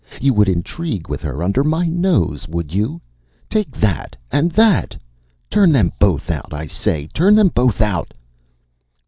You would intrigue with her under my nose, would you? Take that! and that! Turn them both out, I say! turn them both out!